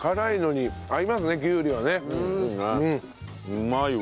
うまいわ。